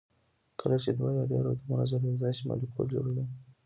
کله چې دوه یا ډیر اتومونه سره یو ځای شي مالیکول جوړوي